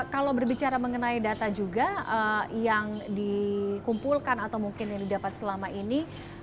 kalau berbicara mengenai data juga yang dikumpulkan atau mungkin yang didapat selama ini